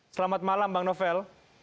selamat malam bang novel